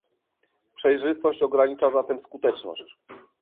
Przejrzystość ogranicza zatem skuteczność